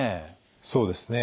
そうですね。